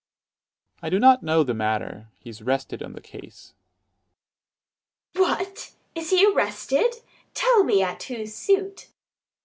_ I do not know the matter: he is 'rested on the case. Adr. What, is he arrested? Tell me at whose suit. _Dro.